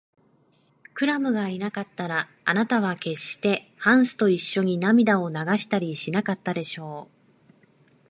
クラムがいなかったら、あなたはけっしてハンスといっしょに涙を流したりしなかったでしょう。